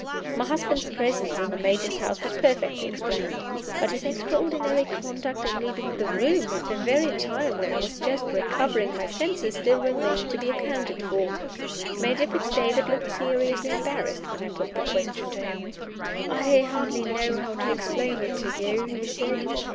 My husband's presence in the Major's house was perfectly explained. But his extraordinary conduct in leaving the room at the very time when I was just recovering my senses still remained to be accounted for. Major Fitz David looked seriously embarrassed when I put the question to him. "I hardly know how to explain it to you," he said.